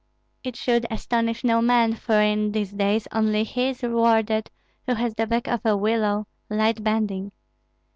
It should astonish no man; for in these days only he is rewarded who has the back of a willow, light bending.